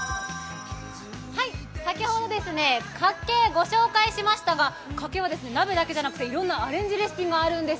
先ほどかっけ、ご紹介しましたがかっけは鍋だけじゃなくて、いろいろなアレンジレシピもあるんです。